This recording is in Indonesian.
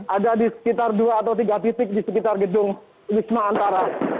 ada di sekitar dua atau tiga titik di sekitar gedung wisma antara